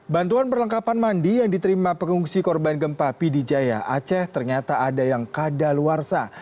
bantuan perlengkapan mandi yang diterima pengungsi korban gempa pidijaya aceh ternyata ada yang kadaluarsa